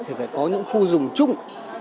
thì phải có những khu dùng chung